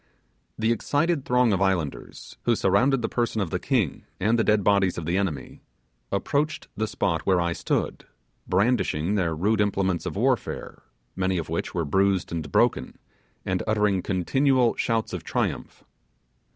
The excited throng of islanders, who surrounded the person of the king and the dead bodies of the enemy, approached the spot where I stood, brandishing their rude implements of warfare, many of which were bruised and broken, and uttering continual shouts of triumph.